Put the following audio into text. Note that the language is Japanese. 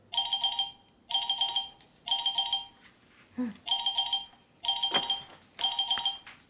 うん。